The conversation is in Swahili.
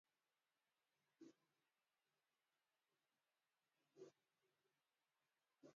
Rwanda inasema kwamba haina mwanajeshi yeyote